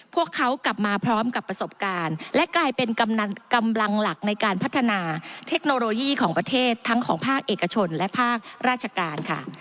พวกเขากลับมาพร้อมกับประสบการณ์และกลายเป็นกำลังหลักในการพัฒนาเทคโนโลยีของประเทศทั้งของภาคเอกชนและภาคราชการค่ะ